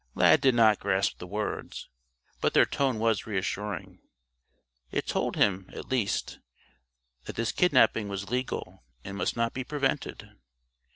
Lad did not grasp the words, but their tone was reassuring. It told him, at least, that this kidnaping was legal and must not be prevented.